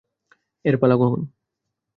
এর পালা কখন?